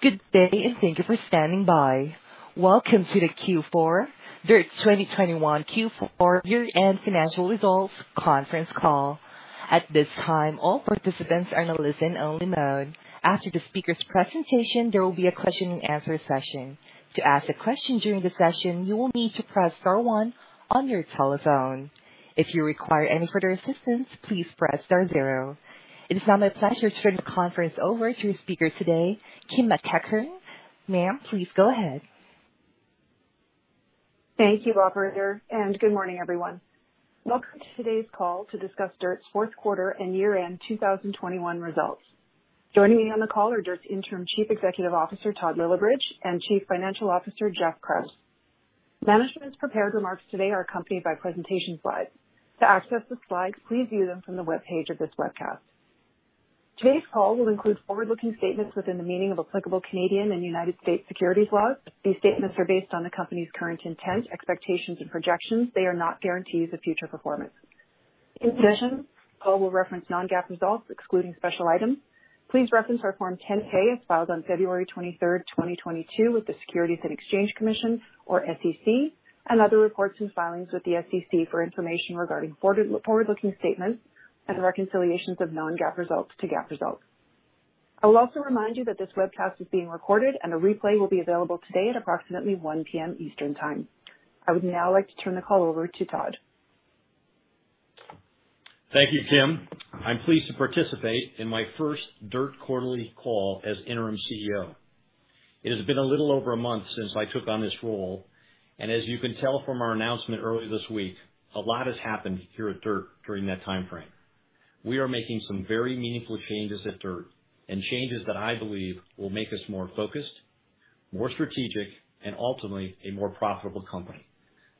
Good day, and thank you for standing by. Welcome to the Q4 DIRTT 2021 Q4 Year-End Financial Results Conference Call. At this time, all participants are in a listen-only mode. After the speaker's presentation, there will be a question and answer session. To ask a question during the session, you will need to press star one on your telephone. If you require any further assistance, please press star zero. It is now my pleasure to turn the conference over to speaker today, Kim MacEachern. Ma'am, please go ahead. Thank you, operator, and good morning, everyone. Welcome to today's call to discuss DIRTT's fourth quarter and year-end 2021 results. Joining me on the call are DIRTT's Interim Chief Executive Officer, Todd Lillibridge, and Chief Financial Officer, Geoff Krause. Management's prepared remarks today are accompanied by presentation slides. To access the slides, please view them from the webpage of this webcast. Today's call will include forward-looking statements within the meaning of applicable Canadian and United States securities laws. These statements are based on the company's current intent, expectations, and projections. They are not guarantees of future performance. In addition, the call will reference non-GAAP results excluding special items. Please reference our Form 10-K, as filed on February 23, 2022, with the Securities and Exchange Commission (SEC), and other reports and filings with the SEC for information regarding forward-looking statements and reconciliations of non-GAAP results to GAAP results. I will also remind you that this webcast is being recorded and a replay will be available today at approximately 1:00 P.M. Eastern Time. I would now like to turn the call over to Todd. Thank you, Kim. I'm pleased to participate in my first DIRTT quarterly call as Interim CEO. It has been a little over a month since I took on this role, and as you can tell from our announcement earlier this week, a lot has happened here at DIRTT during that timeframe. We are making some very meaningful changes at DIRTT, changes that I believe will make us more focused, more strategic, and ultimately a more profitable company.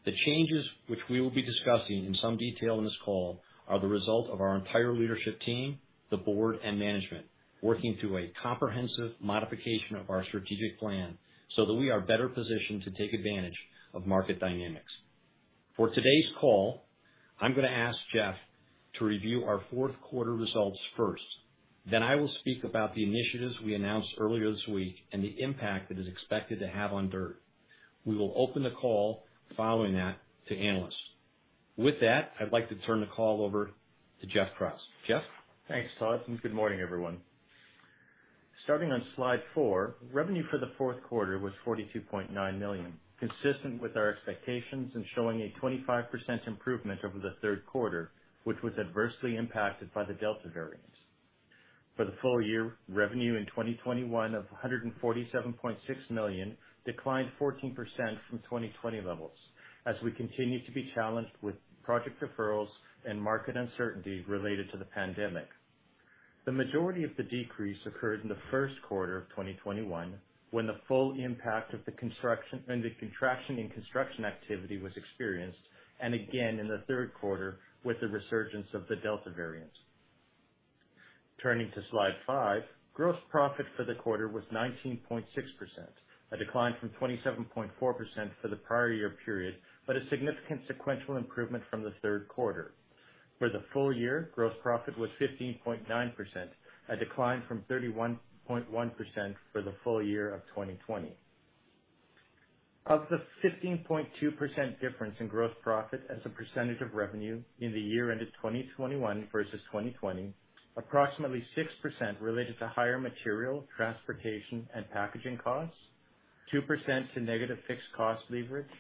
The changes which we will be discussing in some detail on this call are the result of our entire leadership team, the board, and management working through a comprehensive modification of our strategic plan so that we are better positioned to take advantage of market dynamics. For today's call, I'm gonna ask Geoff to review our fourth quarter results first. I will speak about the initiatives we announced earlier this week and the impact that is expected to have on DIRTT. We will open the call following that to analysts. With that, I'd like to turn the call over to Geoff Krause. Geoff? Thanks, Todd, and good morning, everyone. Starting on slide four, revenue for the fourth quarter was 42.9 million, consistent with our expectations and showing a 25% improvement over the third quarter, which was adversely impacted by the Delta variant. For the full year, revenue in 2021 of 147.6 million declined 14% from 2020 levels as we continue to be challenged with project referrals and market uncertainty related to the pandemic. The majority of the decrease occurred in the first quarter of 2021 when the contraction in construction activity was experienced, and again in the third quarter with the resurgence of the Delta variant. Turning to slide five, gross profit for the quarter was 19.6%, a decline from 27.4% for the prior-year period, but a significant sequential improvement from the third quarter. For the full year, gross profit was 15.9%, a decline from 31.1% for the full year of 2020. Of the 15.2% difference in gross profit as a percentage of revenue in the year ended 2021 versus 2020, approximately 6% related to higher material, transportation, and packaging costs; 2% to negative fixed cost leverage;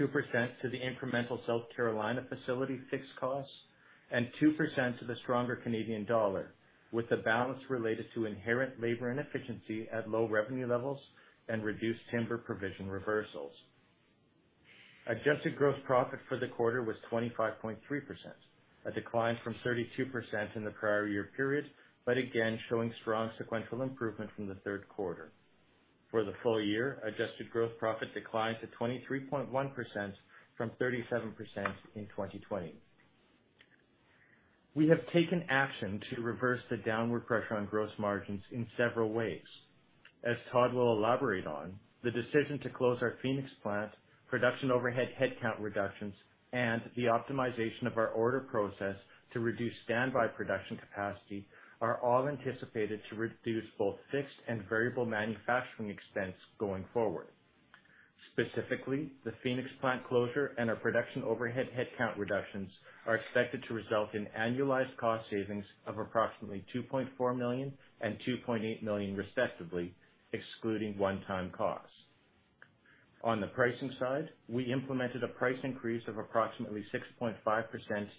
2% to the incremental South Carolina facility fixed costs; and 2% to the stronger Canadian dollar, with the balance related to inherent labor inefficiency at low revenue levels and reduced timber provision reversals. Adjusted gross profit for the quarter was 25.3%, a decline from 32% in the prior-year period, but again showing strong sequential improvement from the third quarter. For the full year, adjusted gross profit declined to 23.1% from 37% in 2020. We have taken action to reverse the downward pressure on gross margins in several ways. As Todd will elaborate on, the decision to close our Phoenix plant, production overhead headcount reductions, and the optimization of our order process to reduce standby production capacity are all anticipated to reduce both fixed and variable manufacturing expense going forward. Specifically, the Phoenix plant closure and our production overhead headcount reductions are expected to result in annualized cost savings of approximately 2.4 million and 2.8 million, respectively, excluding one-time costs. On the pricing side, we implemented a price increase of approximately 6.5%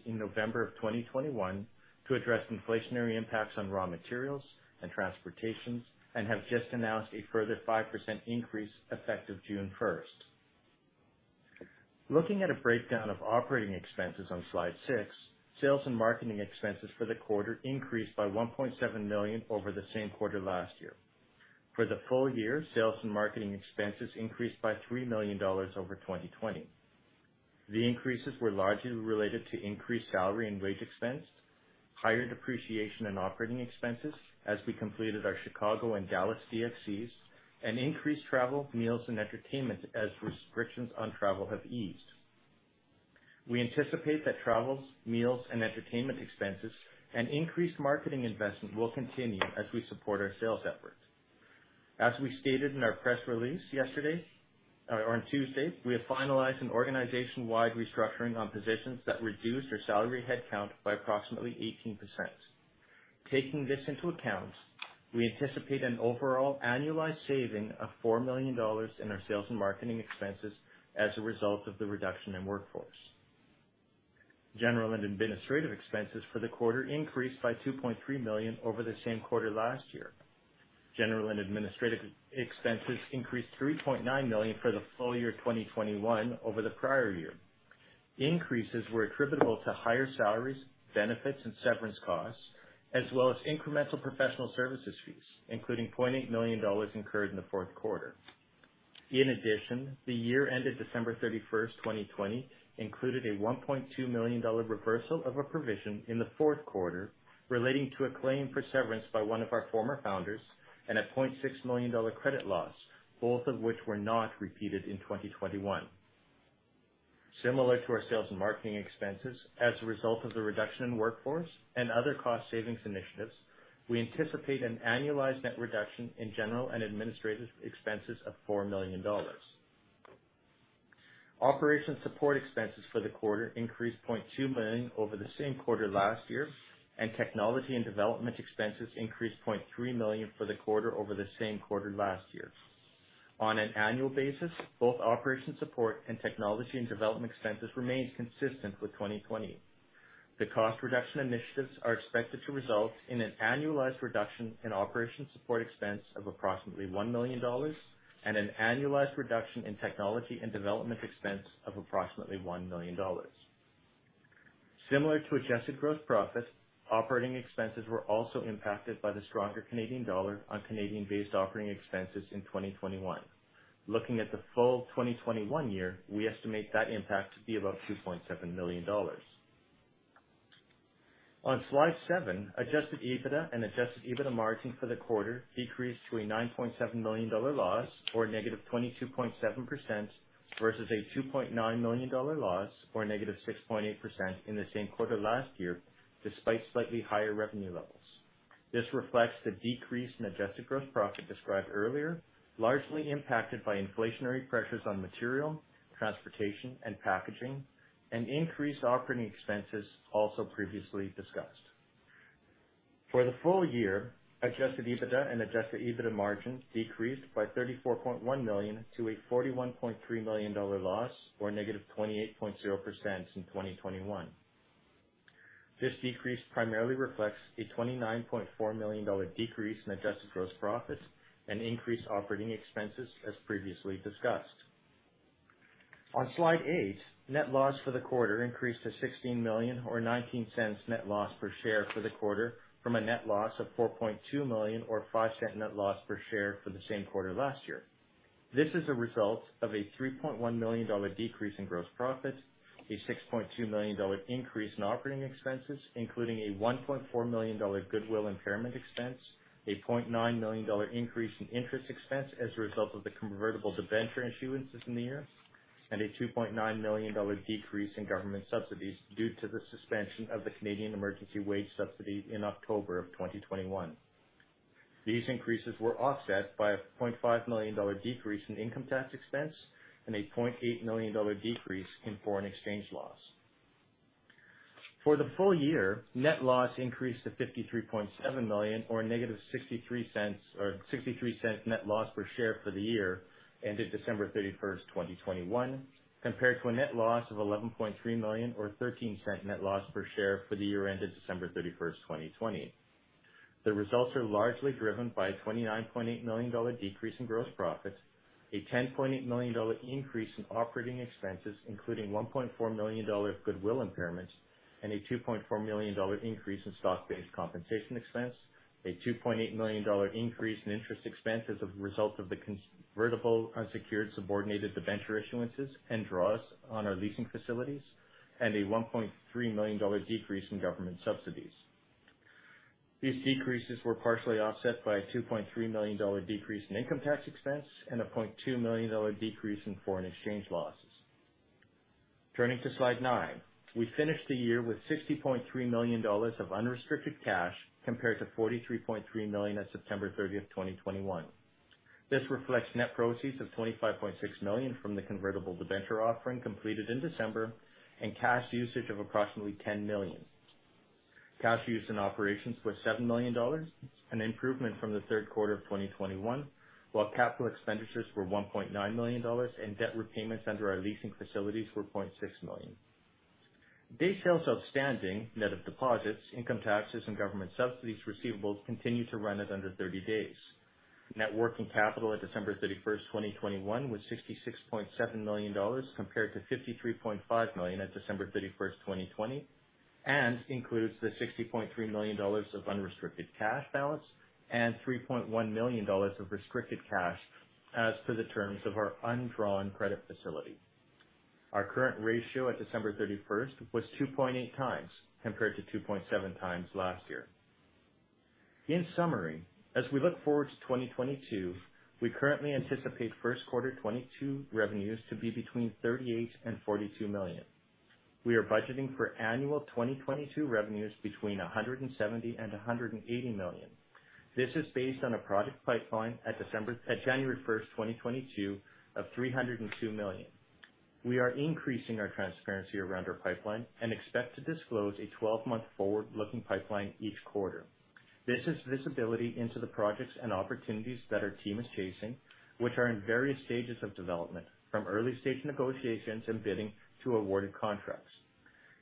in November 2021 to address inflationary impacts on raw materials and transportation and have just announced a further 5% increase effective June 1st. Looking at a breakdown of operating expenses on slide six, sales and marketing expenses for the quarter increased by 1.7 million over the same quarter last year. For the full year, sales and marketing expenses increased by $3 million over 2020. The increases were largely related to increased salary and wage expense, higher depreciation and operating expenses as we completed our Chicago and Dallas DFCs, and increased travel, meals, and entertainment as restrictions on travel have eased. We anticipate that travel, meals, and entertainment expenses and increased marketing investment will continue as we support our sales efforts. As we stated in our press release yesterday or on Tuesday, we have finalized an organization-wide restructuring on positions that reduced our salary headcount by approximately 18%. Taking this into account, we anticipate an overall annualized saving of $4 million in our sales and marketing expenses as a result of the reduction in workforce. General and administrative expenses for the quarter increased by 2.3 million over the same quarter last year. General and administrative expenses increased 3.9 million for the full year 2021 over the prior year. Increases were attributable to higher salaries, benefits, and severance costs, as well as incremental professional services fees, including $0.8 million incurred in the fourth quarter. In addition, the year ended December 31, 2020, included a $1.2 million reversal of a provision in the fourth quarter relating to a claim for severance by one of our former founders and a $0.6 million credit loss, both of which were not repeated in 2021. Similar to our sales and marketing expenses, as a result of the reduction in workforce and other cost savings initiatives, we anticipate an annualized net reduction in general and administrative expenses of $4 million. Operation support expenses for the quarter increased 0.2 million over the same quarter last year, and technology and development expenses increased 0.3 million for the quarter over the same quarter last year. On an annual basis, both operation support and technology and development expenses remained consistent with 2020. The cost reduction initiatives are expected to result in an annualized reduction in operation support expense of approximately $1 million and an annualized reduction in technology and development expense of approximately $1 million. Similar to adjusted gross profit, operating expenses were also impacted by the stronger Canadian dollar on Canadian-based operating expenses in 2021. Looking at the full 2021 year, we estimate that impact to be about $2.7 million. On slide seven, Adjusted EBITDA and Adjusted EBITDA margin for the quarter decreased to a 9.7 million dollar loss, or -22.7%, versus a $2.9 million loss, or -6.8%, in the same quarter last year, despite slightly higher revenue levels. This reflects the decrease in Adjusted EBITDA described earlier, largely impacted by inflationary pressures on material, transportation, and packaging, and increased operating expenses also previously discussed. For the full year, Adjusted EBITDA and Adjusted EBITDA margins decreased by $34.1 million to a $41.3 million loss, or negative 28.0%, in 2021. This decrease primarily reflects a $29.4 million decrease in adjusted gross profit and increased operating expenses, as previously discussed. On slide eight, net loss for the quarter increased to $16 million, or $0.19 net loss per share for the quarter, from a net loss of $4.2 million, or $0.05 net loss per share, for the same quarter last year. This is a result of a $3.1 million decrease in gross profit, a $6.2 million increase in operating expenses, including a $1.4 million goodwill impairment expense, a $0.9 million increase in interest expense as a result of the convertible debenture issuances in the year, and a $2.9 million decrease in government subsidies due to the suspension of the Canada Emergency Wage Subsidy in October of 2021. These increases were offset by a $0.5 million decrease in income tax expense and a $0.8 million decrease in foreign exchange loss. For the full year, net loss increased to $53.7 million, or ($-0.63), or a $0.63 net loss per share for the year ended December 31, 2021, compared to a net loss of $11.3 million, or a $0.13 net loss per share for the year ended December 31, 2020. The results are largely driven by a $29.8 million decrease in gross profit, a $10.8 million increase in operating expenses, including $1.4 million goodwill impairment and a $2.4 million increase in stock-based compensation expense, a $2.8 million increase in interest expense as a result of the convertible unsecured subordinated debenture issuances and draws on our leasing facilities, and a $1.3 million decrease in government subsidies. These decreases were partially offset by a $2.3 million decrease in income tax expense and a $0.2 million decrease in foreign exchange losses. Turning to slide nine. We finished the year with $60.3 million of unrestricted cash compared to $43.3 million at September 30, 2021. This reflects net proceeds of 25.6 million from the convertible debenture offering completed in December and cash usage of approximately 10 million. Cash use in operations was $7 million, an improvement from the third quarter of 2021, while capital expenditures were 1.9 million dollars and debt repayments under our leasing facilities were 0.6 million. Days sales outstanding, net of deposits, income taxes, and government subsidies receivables, continue to run at under 30 days. Net working capital at December 31, 2021, was $66.7 million compared to 53.5 million at December 31, 2020, and includes the 60.3 million dollars of unrestricted cash balance and 3.1 million dollars of restricted cash as to the terms of our undrawn credit facility. Our current ratio at December 31 was 2.8x compared to 2.7x last year. In summary, as we look forward to 2022, we currently anticipate first quarter 2022 revenues to be between 38 million and 42 million. We are budgeting for annual 2022 revenues between 170 million and 180 million. This is based on a project pipeline at January 1, 2022, of 302 million. We are increasing our transparency around our pipeline and expect to disclose a 12-month forward-looking pipeline each quarter. This is visibility into the projects and opportunities that our team is chasing, which are in various stages of development, from early-stage negotiations and bidding to awarded contracts.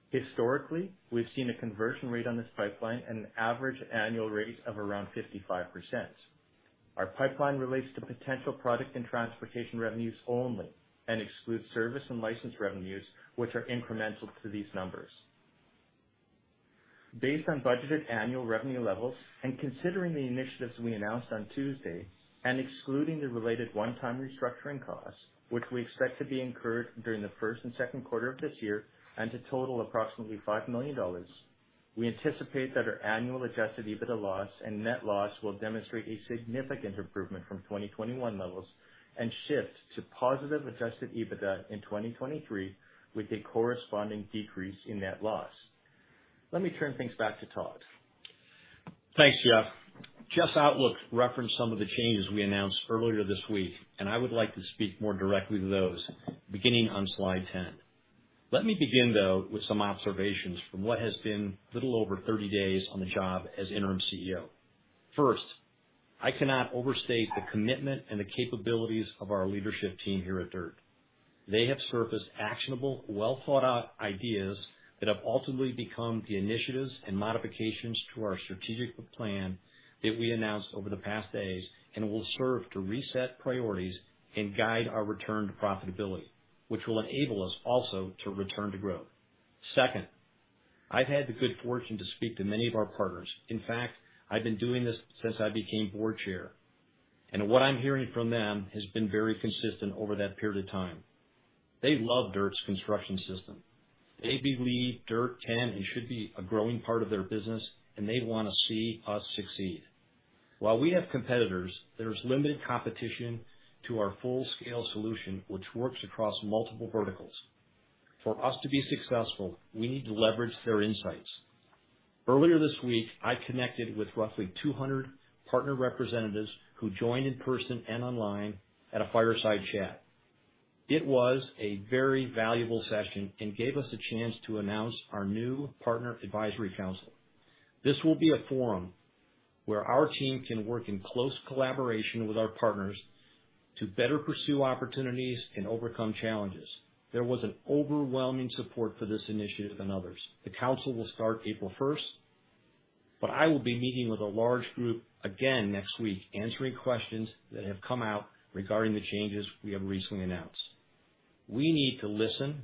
Historically, we've seen a conversion rate on this pipeline at an average annual rate of around 55%. Our pipeline relates to potential product and transportation revenues only and excludes service and license revenues, which are incremental to these numbers. Based on budgeted annual revenue levels and considering the initiatives we announced on Tuesday, and excluding the related one-time restructuring costs, which we expect to be incurred during the first and second quarter of this year and to total approximately $5 million, we anticipate that our annual Adjusted EBITDA loss and net loss will demonstrate a significant improvement from 2021 levels and shift to positive Adjusted EBITDA in 2023 with a corresponding decrease in net loss. Let me turn things back to Todd. Thanks, Geoff. Geoff's outlook referenced some of the changes we announced earlier this week, and I would like to speak more directly to those, beginning on slide 10. Let me begin, though, with some observations from what has been a little over 30 days on the job as Interim CEO. First, I cannot overstate the commitment and the capabilities of our leadership team here at DIRTT. They have surfaced actionable, well-thought-out ideas that have ultimately become the initiatives and modifications to our strategic plan that we announced over the past days and will serve to reset priorities and guide our return to profitability, which will enable us also to return to growth. Second, I've had the good fortune to speak to many of our partners. In fact, I've been doing this since I became board chair, and what I'm hearing from them has been very consistent over that period of time. They love DIRTT's construction system. They believe DIRTT can and should be a growing part of their business, and they wanna see us succeed. While we have competitors, there's limited competition to our full-scale solution, which works across multiple verticals. For us to be successful, we need to leverage their insights. Earlier this week, I connected with roughly 200 partner representatives who joined in person and online at a fireside chat. It was a very valuable session and gave us a chance to announce our new Partner Advisory Council. This will be a forum where our team can work in close collaboration with our partners to better pursue opportunities and overcome challenges. There was an overwhelming support for this initiative and others. The council will start April first, but I will be meeting with a large group again next week, answering questions that have come out regarding the changes we have recently announced. We need to listen,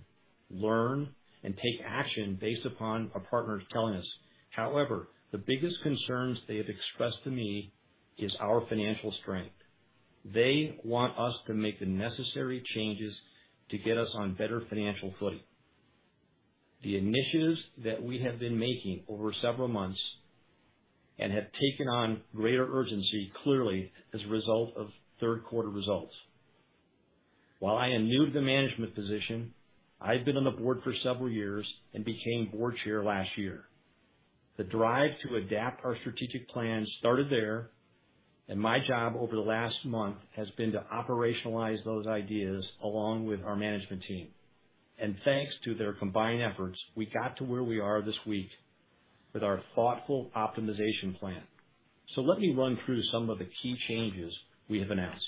learn, and take action based upon our partners telling us. However, the biggest concerns they have expressed to me is our financial strength. They want us to make the necessary changes to get us on better financial footing. The initiatives that we have been making over several months and have taken on greater urgency, clearly, as a result of third quarter results. While I am new to the management position, I've been on the board for several years and became board chair last year. The drive to adapt our strategic plan started there, and my job over the last month has been to operationalize those ideas along with our management team. Thanks to their combined efforts, we got to where we are this week with our thoughtful optimization plan. Let me run through some of the key changes we have announced.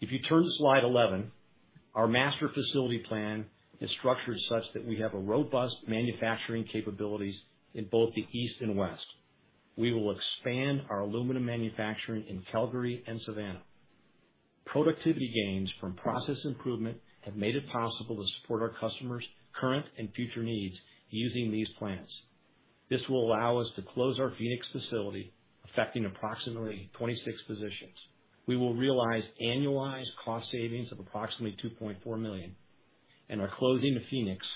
If you turn to slide 11, our master facility plan is structured such that we have a robust manufacturing capabilities in both the East and West. We will expand our aluminum manufacturing in Calgary and Savannah. Productivity gains from process improvement have made it possible to support our customers' current and future needs using these plants. This will allow us to close our Phoenix facility, affecting approximately 26 positions. We will realize annualized cost savings of approximately 2.4 million, and our closing of Phoenix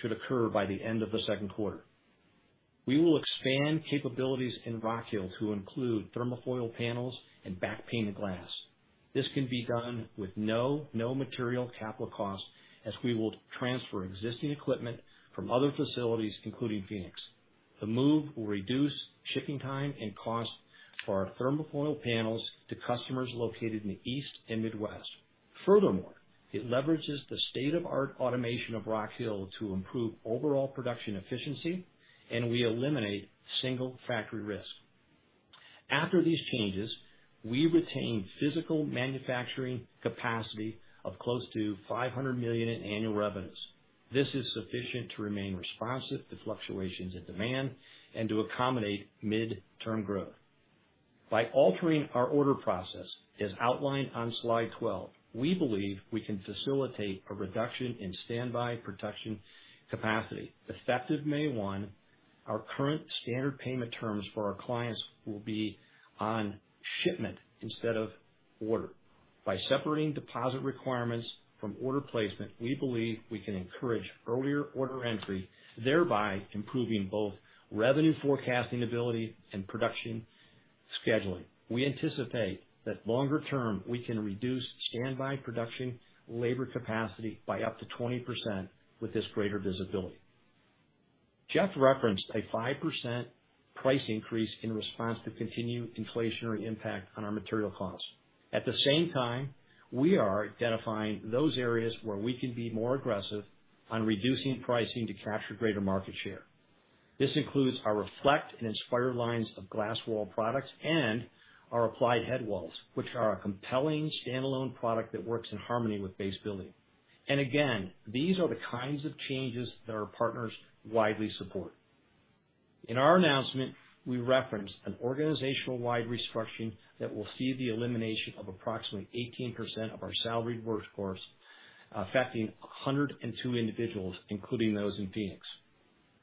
should occur by the end of the second quarter. We will expand capabilities in Rock Hill to include Thermofoil panels and back-painted glass. This can be done with no material capital cost, as we will transfer existing equipment from other facilities, including Phoenix. The move will reduce shipping time and cost for our Thermofoil panels to customers located in the East and Midwest. Furthermore, it leverages the state-of-the-art automation of Rock Hill to improve overall production efficiency, and we eliminate single factory risk. After these changes, we retain physical manufacturing capacity of close to 500 million in annual revenues. This is sufficient to remain responsive to fluctuations in demand and to accommodate mid-term growth. By altering our order process, as outlined on slide 12, we believe we can facilitate a reduction in standby production capacity. Effective May 1, our current standard payment terms for our clients will be on shipment instead of order. By separating deposit requirements from order placement, we believe we can encourage earlier order entry, thereby improving both revenue forecasting ability and production scheduling. We anticipate that, longer term, we can reduce standby production labor capacity by up to 20% with this greater visibility. Geoff referenced a 5% price increase in response to continued inflationary impact on our material costs. At the same time, we are identifying those areas where we can be more aggressive on reducing pricing to capture greater market share. This includes our Reflect and Inspire lines of glass wall products and our applied headwalls, which are a compelling standalone product that works in harmony with base building. Again, these are the kinds of changes that our partners widely support. In our announcement, we referenced an organizational-wide restructuring that will see the elimination of approximately 18% of our salaried workforce, affecting 102 individuals, including those in Phoenix.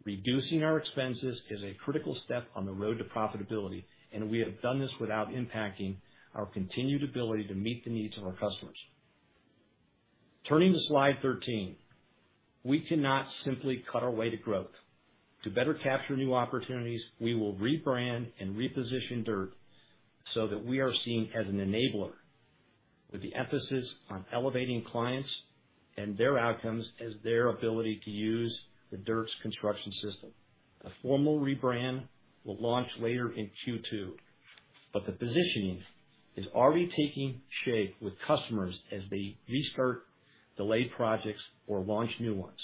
Reducing our expenses is a critical step on the road to profitability, and we have done this without impacting our continued ability to meet the needs of our customers. Turning to slide 13. We cannot simply cut our way to growth. To better capture new opportunities, we will rebrand and reposition DIRTT so that we are seen as an enabler, with the emphasis on elevating clients and their outcomes as their ability to use the DIRTT's construction system. A formal rebrand will launch later in Q2, but the positioning is already taking shape with customers as they restart delayed projects or launch new ones.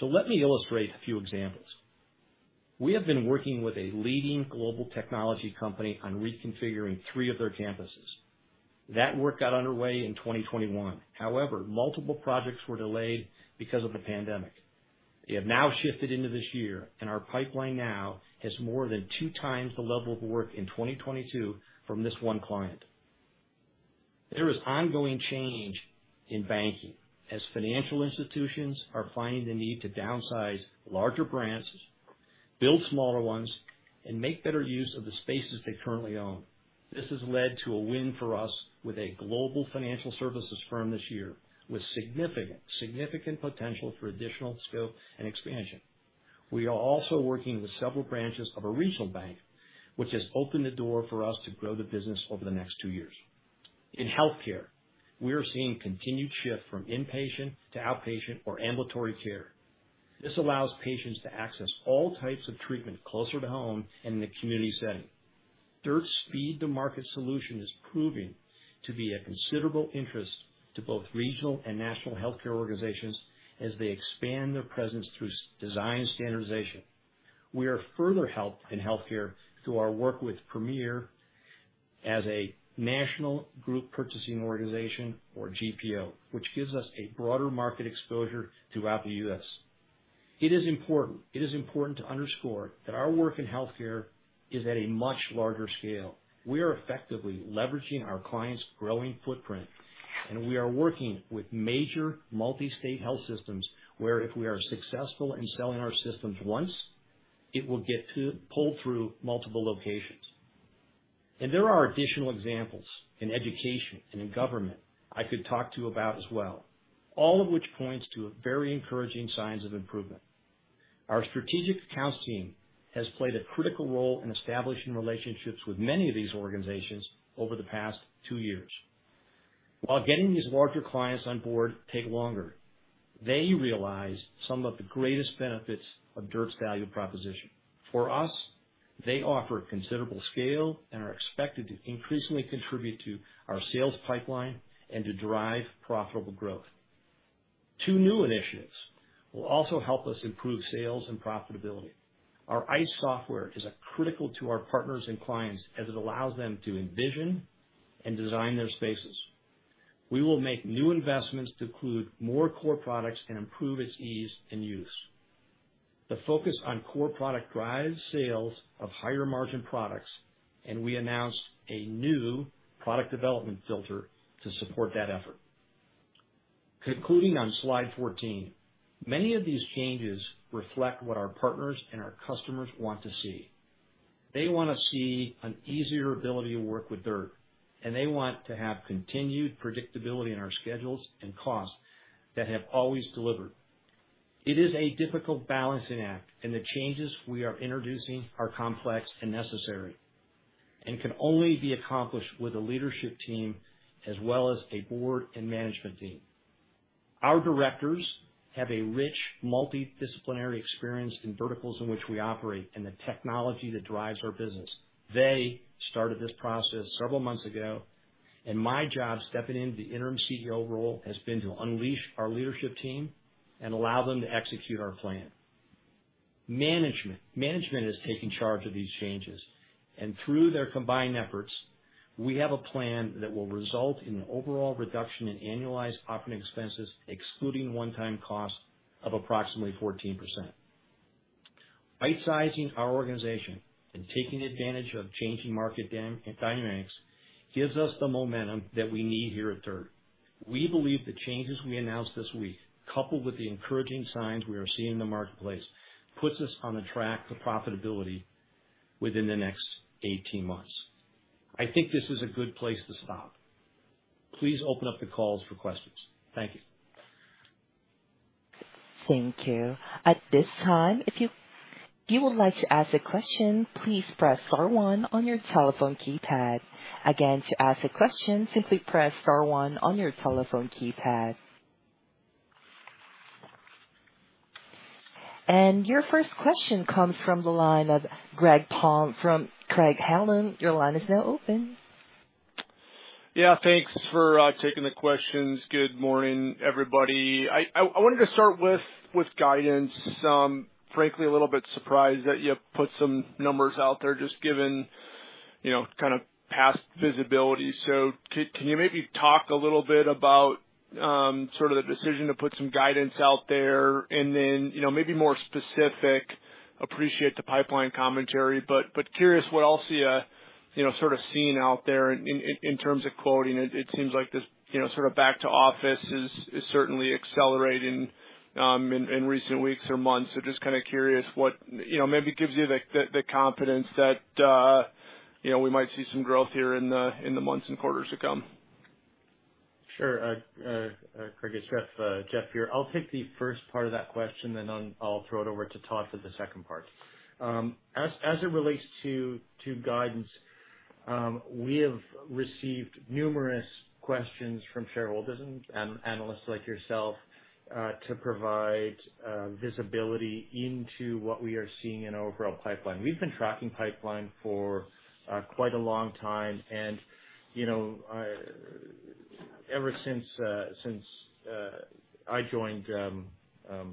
Let me illustrate a few examples. We have been working with a leading global technology company on reconfiguring three of their campuses. That work got underway in 2021. However, multiple projects were delayed because of the pandemic. They have now shifted into this year, and our pipeline now has more than two times the level of work in 2022 from this one client. There is ongoing change in banking as financial institutions are finding the need to downsize larger branches, build smaller ones, and make better use of the spaces they currently own. This has led to a win for us with a global financial services firm this year, with significant potential for additional scope and expansion. We are also working with several branches of a regional bank, which has opened the door for us to grow the business over the next two years. In healthcare, we are seeing continued shift from inpatient to outpatient or ambulatory care. This allows patients to access all types of treatment closer to home and in the community setting. DIRTT's speed-to-market solution is proving to be a considerable interest to both regional and national healthcare organizations as they expand their presence through design standardization. We are further helped in healthcare through our work with Premier as a national group purchasing organization, or GPO, which gives us a broader market exposure throughout the U.S. It is important to underscore that our work in healthcare is at a much larger scale. We are effectively leveraging our clients' growing footprint, and we are working with major multi-state health systems where, if we are successful in selling our systems once, it will get to pull through multiple locations. There are additional examples in education and in government I could talk to you about as well, all of which points to a very encouraging signs of improvement. Our strategic accounts team has played a critical role in establishing relationships with many of these organizations over the past two years. While getting these larger clients on board takes longer, they realize some of the greatest benefits of DIRTT's value proposition. For us, they offer considerable scale and are expected to increasingly contribute to our sales pipeline and to drive profitable growth. Two new initiatives will also help us improve sales and profitability. Our ICE software is critical to our partners and clients as it allows them to envision and design their spaces. We will make new investments to include more core products and improve its ease and use. The focus on core product drives sales of higher-margin products, and we announced a new product development filter to support that effort. Concluding on slide 14. Many of these changes reflect what our partners and our customers want to see. They wanna see an easier ability to work with DIRTT, and they want to have continued predictability in our schedules and costs that have always delivered. It is a difficult balancing act, and the changes we are introducing are complex and necessary and can only be accomplished with a leadership team as well as a board and management team. Our directors have a rich multidisciplinary experience in verticals in which we operate and the technology that drives our business. They started this process several months ago, and my job stepping into the Interim CEO role has been to unleash our leadership team and allow them to execute our plan. Management is taking charge of these changes, and through their combined efforts, we have a plan that will result in an overall reduction in annualized operating expenses, excluding one-time costs, of approximately 14%. Rightsizing our organization and taking advantage of changing market dynamics gives us the momentum that we need here at DIRTT. We believe the changes we announced this week, coupled with the encouraging signs we are seeing in the marketplace, puts us on a track to profitability. Within the next 18 months. I think this is a good place to stop. Please open up the calls for questions. Thank you. Thank you. At this time, if you would like to ask a question, please press star one on your telephone keypad. Again, to ask a question, simply press star one on your telephone keypad. Your first question comes from the line of Greg Palm from Craig-Hallum. Your line is now open. Yeah, thanks for taking the questions. Good morning, everybody. I wanted to start with guidance. Frankly, a little bit surprised that you put some numbers out there just given, you know, kind of past visibility. Can you maybe talk a little bit about sort of the decision to put some guidance out there? And then, you know, maybe more specific, appreciate the pipeline commentary, but curious what else are you know, sort of seeing out there in terms of quoting. It seems like this, you know, sort of back-to-office is certainly accelerating in recent weeks or months. Just kinda curious what, you know, maybe gives you the confidence that, you know, we might see some growth here in the months and quarters to come. Sure. Craig, it's Geoff here. I'll take the first part of that question, then I'll throw it over to Todd for the second part. As it relates to guidance, we have received numerous questions from shareholders and analysts like yourself to provide visibility into what we are seeing in our overall pipeline. We've been tracking pipeline for quite a long time. You know, ever since I joined about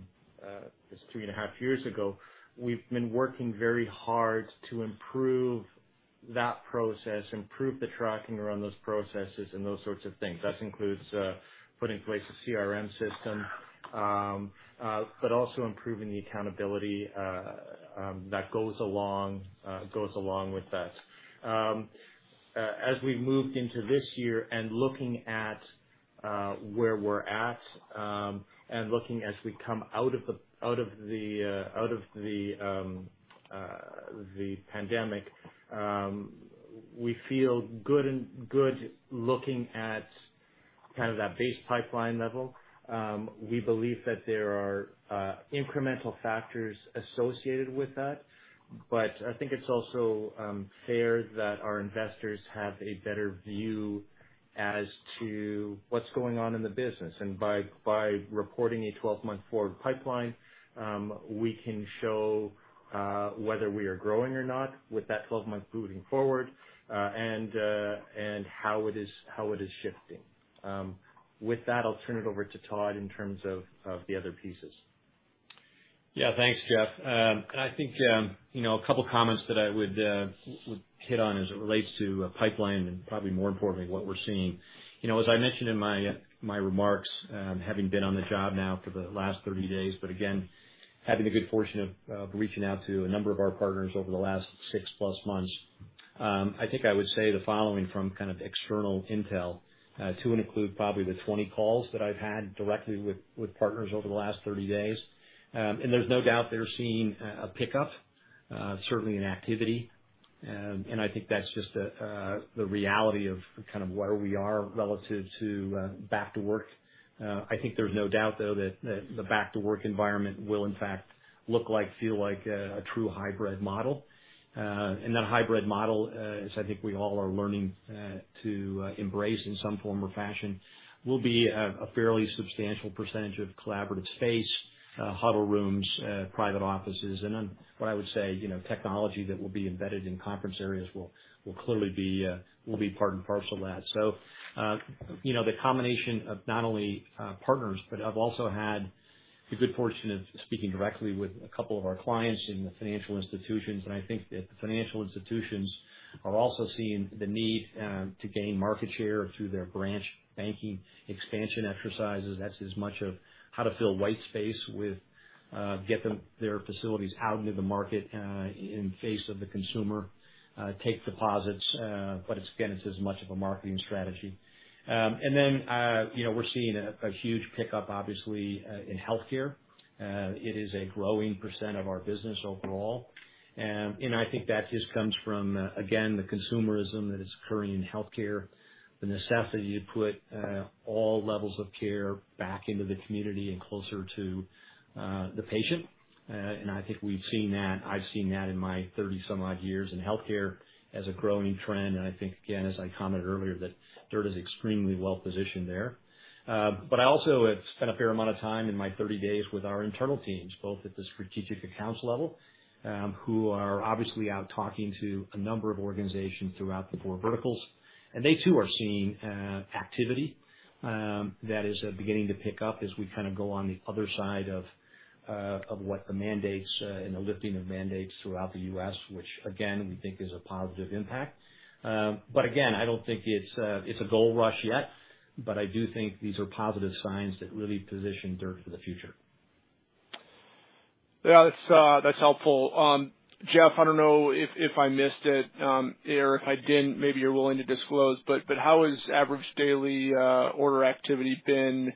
three and a half years ago, we've been working very hard to improve that process, improve the tracking around those processes, and those sorts of things. That includes putting in place a CRM system, but also improving the accountability that goes along with that. As we moved into this year and looking at where we're at, and looking as we come out of the pandemic, we feel good looking at kind of that base pipeline level. We believe that there are incremental factors associated with that, but I think it's also fair that our investors have a better view as to what's going on in the business. By reporting a 12-month forward pipeline, we can show whether we are growing or not with that 12-month moving forward, and how it is shifting. With that, I'll turn it over to Todd in terms of the other pieces. Yeah. Thanks, Geoff. I think you know a couple of comments that I would hit on as it relates to pipeline and, probably more importantly, what we're seeing. You know, as I mentioned in my remarks, having been on the job now for the last 30 days, but again, having the good fortune of reaching out to a number of our partners over the last 6+ months, I think I would say the following from kind of external intel to include probably the 20 calls that I've had directly with partners over the last 30 days. There's no doubt they're seeing a pickup, certainly in activity. I think that's just the reality of kind of where we are relative to back to work. I think there's no doubt, though, that the back-to-work environment will, in fact, look like, feel like, a true hybrid model. That hybrid model, as I think we all are learning, to embrace in some form or fashion, will be a fairly substantial percentage of collaborative space, huddle rooms, private offices. Then what I would say, you know, technology that will be embedded in conference areas will clearly be part and parcel to that. You know, the combination of not only partners, but I've also had the good fortune of speaking directly with a couple of our clients in the financial institutions. I think that the financial institutions are also seeing the need to gain market share through their branch banking expansion exercises. That's as much of how to fill white space with their facilities out into the market in the face of the consumer, take deposits. It's again as much of a marketing strategy. You know, we're seeing a huge pickup, obviously, in healthcare. It is a growing percentage of our business overall. I think that just comes from, again, the consumerism that is occurring in healthcare, the necessity to put all levels of care back into the community and closer to the patient. I think we've seen that. I've seen that in my 30-some-odd years in healthcare as a growing trend. I think, again, as I commented earlier, that DIRTT is extremely well-positioned there. I also have spent a fair amount of time in my 30 days with our internal teams, both at the strategic accounts level, who are obviously out talking to a number of organizations throughout the four verticals. They too are seeing activity that is beginning to pick up as we kind of go on the other side of what the mandates and the lifting of mandates throughout the U.S., which again, we think is a positive impact. Again, I don't think it's a gold rush yet, but I do think these are positive signs that really position DIRTT for the future. Yeah, that's helpful. Geoff, I don't know if I missed it, or if I didn't, maybe you're willing to disclose, but how has average daily order activity been,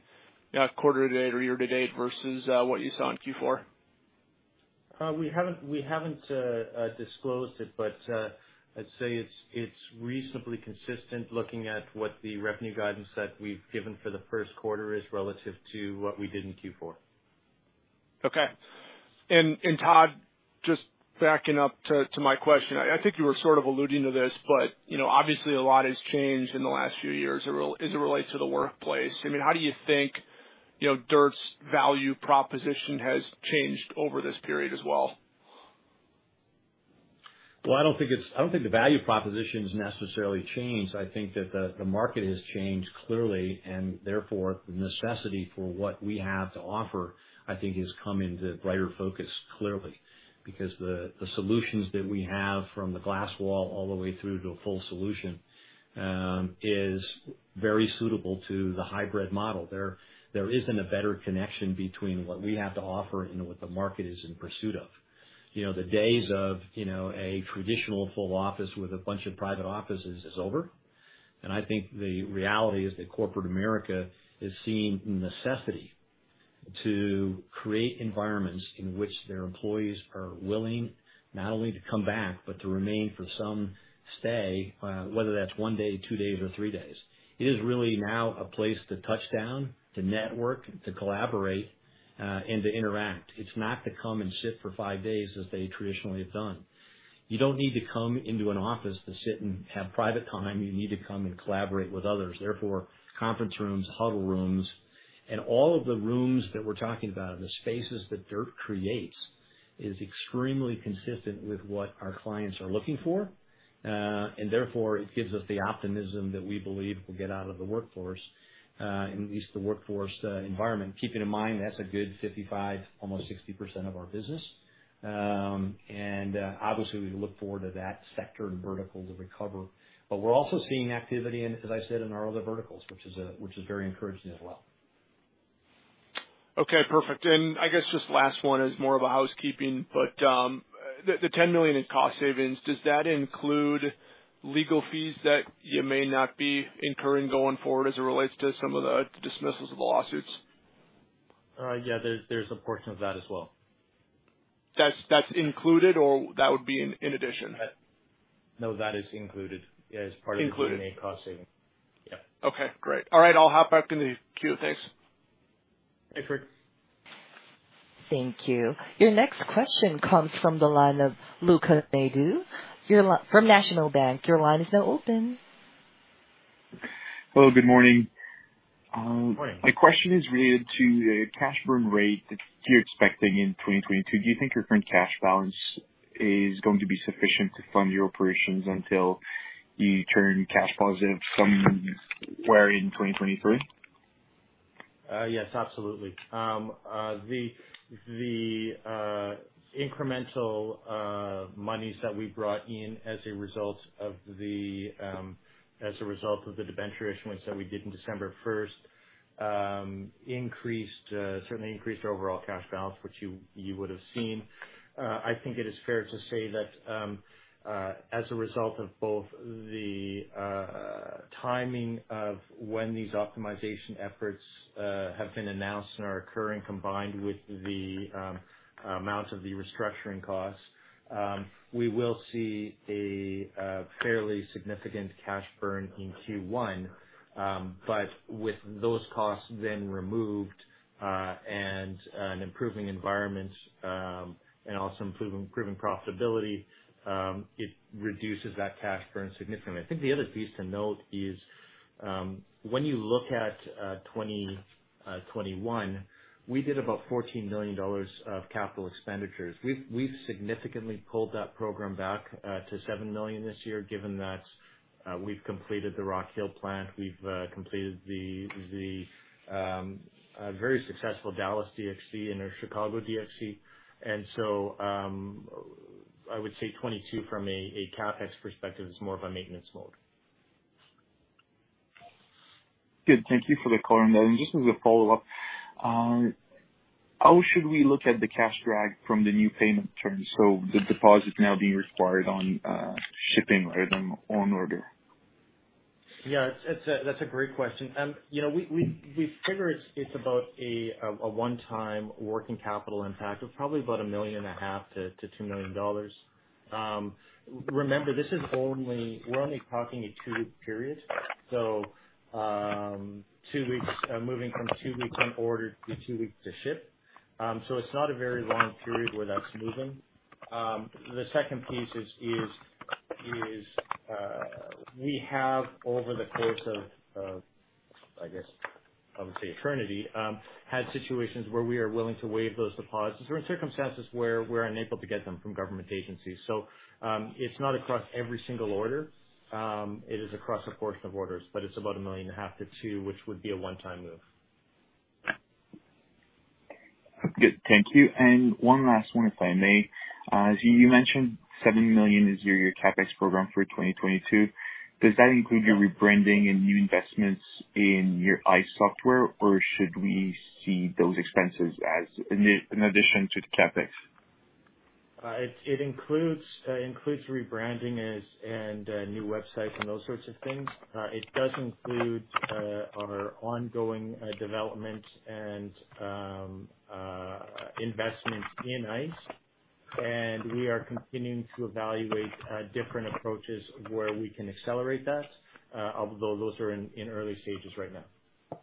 quarter-to-date or year-to-date versus what you saw in Q4? We haven't disclosed it, but I'd say it's reasonably consistent looking at what the revenue guidance that we've given for the first quarter is relative to what we did in Q4. Okay. Todd, just backing up to my question, I think you were sort of alluding to this, but, you know, obviously a lot has changed in the last few years as it relates to the workplace. I mean, how do you think, you know, DIRTT's value proposition has changed over this period as well? I don't think the value proposition has necessarily changed. I think that the market has changed clearly, and therefore, the necessity for what we have to offer, I think, has come into brighter focus clearly. Because the solutions that we have, from the glass wall all the way through to a full solution, very suitable to the hybrid model. There isn't a better connection between what we have to offer and what the market is in pursuit of. You know, the days of, you know, a traditional full office with a bunch of private offices is over. I think the reality is that corporate America is seeing necessity to create environments in which their employees are willing not only to come back, but to remain for some stay, whether that's one day, two days or three days. It is really now a place to touch down, to network, to collaborate, and to interact. It's not to come and sit for five days as they traditionally have done. You don't need to come into an office to sit and have private time. You need to come and collaborate with others. Therefore, conference rooms, huddle rooms, and all of the rooms that we're talking about, the spaces that DIRTT creates, is extremely consistent with what our clients are looking for. Therefore it gives us the optimism that we believe will get out of the workforce environment. Keeping in mind, that's a good 55, almost 60% of our business. Obviously, we look forward to that sector and vertical to recover. We're also seeing activity in, as I said, in our other verticals, which is very encouraging as well. Okay, perfect. I guess just last one is more of a housekeeping, but, the 10 million in cost savings, does that include legal fees that you may not be incurring going forward as it relates to some of the dismissals of the lawsuits? Yeah, there's a portion of that as well. That's included or that would be in addition? No, that is included as part of. Included. The 28 cost savings. Yeah. Okay, great. All right, I'll hop back in the queue. Thanks. Thanks, Greg. Thank you. Your next question comes from the line of Maxim Sytchev. Your line, from National Bank. Your line is now open. Hello, good morning. Morning. My question is related to the cash burn rate that you're expecting in 2022. Do you think your current cash balance is going to be sufficient to fund your operations until you turn cash positive somewhere in 2023? Yes, absolutely. The incremental monies that we brought in as a result of the debenture issuance that we did in December 1st certainly increased our overall cash balance, which you would have seen. I think it is fair to say that as a result of both the timing of when these optimization efforts have been announced and are occurring, combined with the amount of the restructuring costs, we will see a fairly significant cash burn in Q1. With those costs then removed and an improving environment and also improving profitability, it reduces that cash burn significantly. I think the other piece to note is, when you look at 2021, we did about $14 million of capital expenditures. We've significantly pulled that program back to 7 million this year, given that we've completed the Rock Hill plant, we've completed the very successful Dallas DFC, and our Chicago DFC. I would say 2022, from a CapEx perspective, is more of a maintenance mode. Good. Thank you for the color. Just as a follow-up, how should we look at the cash drag from the new payment terms? The deposit is now being required on shipping rather than on order. Yeah, that's a great question. You know, we figure it's about a one-time working capital impact of probably about 1.5 million-2 million dollars. Remember, we're only talking a two-week period. Two weeks moving from two weeks on order to two weeks to ship. It's not a very long period where that's moving. The second piece is we have, over the course of, I guess, I would say eternity, had situations where we are willing to waive those deposits or in circumstances where we're unable to get them from government agencies. It's not across every single order. It is across a portion of orders, but it's about 1.5 million-2 million, which would be a one-time move. Good. Thank you. One last one, if I may. You mentioned 7 million is your CapEx program for 2022. Does that include your rebranding and new investments in your ICE software, or should we see those expenses as in addition to the CapEx? It includes rebranding and a new website and those sorts of things. It does include our ongoing development and investment in ICE, and we are continuing to evaluate different approaches where we can accelerate that, although those are in early stages right now.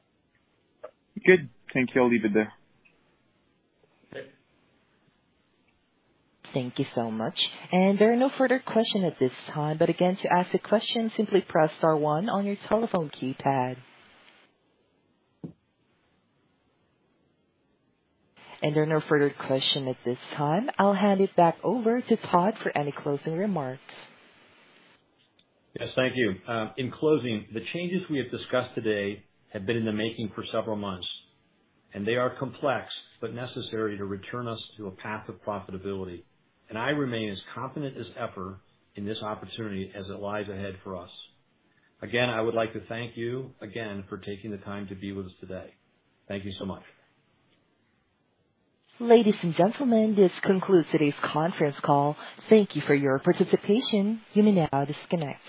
Good. Thank you. I'll leave it there. Okay. Thank you so much. There are no further questions at this time. Again, to ask a question, simply press star one on your telephone keypad. There are no further questions at this time. I'll hand it back over to Todd for any closing remarks. Yes, thank you. In closing, the changes we have discussed today have been in the making for several months, and they are complex but necessary to return us to a path of profitability. I remain as confident as ever in this opportunity as it lies ahead for us. Again, I would like to thank you again for taking the time to be with us today. Thank you so much. Ladies and gentlemen, this concludes today's conference call. Thank you for your participation. You may now disconnect.